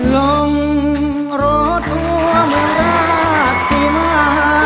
ลงรถตัวเมืองรักที่มา